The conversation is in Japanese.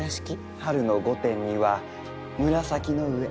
春の御殿には紫の上。